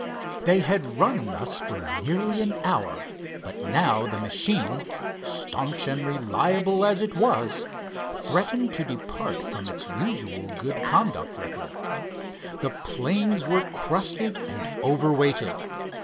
They had run thus for nearly an hour, but now the machine, staunch and reliable as it was, threatened to depart from its usual good conduct record. The planes were crusted and over weighted.